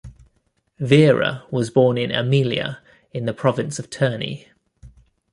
Vera was born in Amelia in the province of Terni.